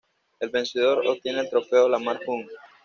El vencedor obtiene el trofeo Lamar Hunt.